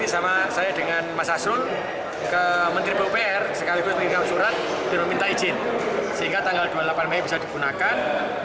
bulan juni bisa digunakan